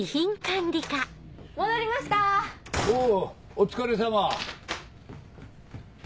おお疲れさま。